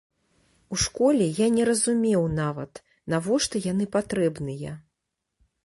У школе я не разумеў нават, навошта яны патрэбныя.